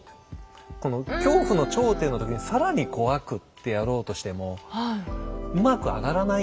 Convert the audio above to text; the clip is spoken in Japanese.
この恐怖の頂点の時に更に怖くってやろうとしてもうまく上がらないんですよね。